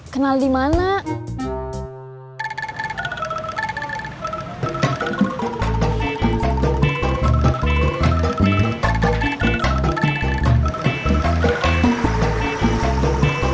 kenal di mana